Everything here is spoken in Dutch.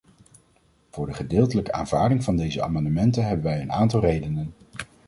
Voor de gedeeltelijke aanvaarding van deze amendementen hebben wij een aantal redenen.